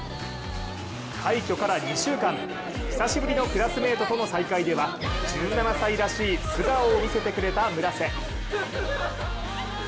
快挙から２週間、久しぶりのクラスメートとの再会では１７歳らしい素顔を見せてくれた村瀬。